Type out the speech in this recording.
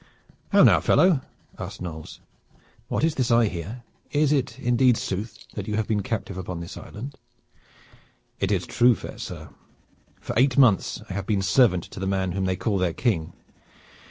"How now, fellow?" asked Knolles. "What is this I hear? Is it indeed sooth that you have been a captive upon this island?" "It is true, fair sir. For eight months I have been servant to the man whom they call their King.